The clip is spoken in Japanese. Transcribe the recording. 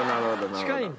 近いんだ。